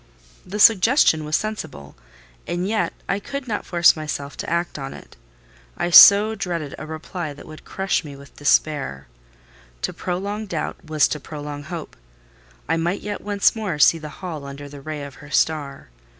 The suggestion was sensible, and yet I could not force myself to act on it. I so dreaded a reply that would crush me with despair. To prolong doubt was to prolong hope. I might yet once more see the Hall under the ray of her star.